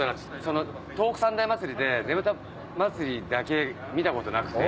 東北三大祭りでねぶた祭だけ見たことなくて。